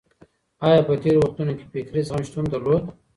آيا په تېرو وختونو کي فکري زغم شتون درلود؟